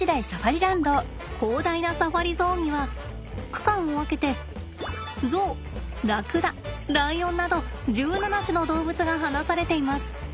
広大なサファリゾーンには区間を分けてゾウラクダライオンなど１７種の動物が放されています。